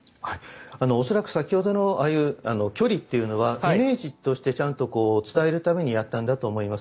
恐らく先ほどのああいう距離というのはイメージとしてちゃんと伝えるためにやったんだと思います。